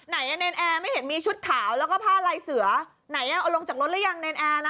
ไหนอ่ะเนรนแอร์ไม่เห็นมีชุดขาวแล้วก็ผ้าลายเสือไหนเอาลงจากรถหรือยังเนรนแอร์นะ